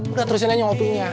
udah terusin aja waktunya